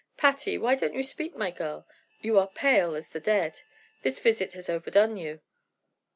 Patty! Why don't you speak, my girl? You are pale as the dead. This visit has overdone you."